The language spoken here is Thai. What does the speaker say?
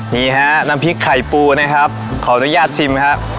นี่ฮะน้ำพริกไข่ปูนะครับขออนุญาตชิมครับ